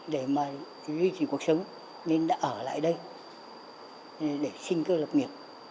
để mà duy trì cuộc sống nên đã ở lại đây để sinh cơ lập nghiệp